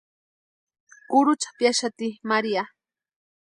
Kurhucha piaxati María.